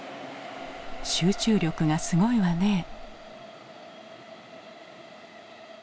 「集中力がすごいわね」。